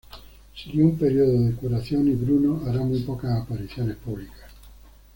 Siguió un período de curación y Bruno hará muy pocas apariciones públicas.